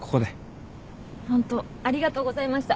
ホントありがとうございました。